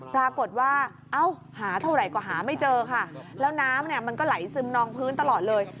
ปรากฏว่าเอ้าหาเท่าไหร่ก็หาไม่เจอค่ะแล้วน้ำเนี่ยมันก็ไหลซึมนองพื้นตลอดเลย